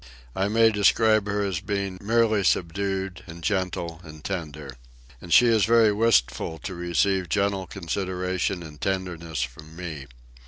I may describe her as being merely subdued, and gentle, and tender. And she is very wistful to receive gentle consideration and tenderness from me.